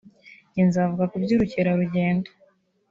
njye nzavuga ku by’ubukerarugendo